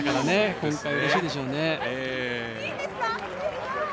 今回はうれしいでしょうね。